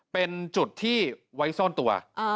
เป็นจุดที่ไว้ซ่อนตัว